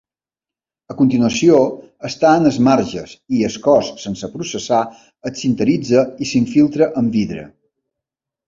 A continuació, es tallen els marges i el cos sense processar es sinteritza i s'infiltra amb vidre.